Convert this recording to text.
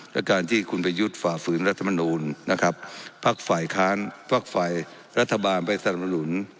และการที่คุณประยุทธ์ฝ่าฝืนรัฐมนตร์นะครับพักฝ่ายรัฐบาลไปสนามนุน